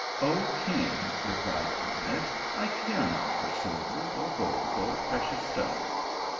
" O king," replied Ahmed, " I care not for silver, or gold, or precious stones.